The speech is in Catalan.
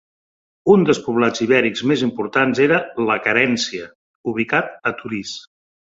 Un dels poblats ibèrics més importants era La Carència, ubicat a Torís.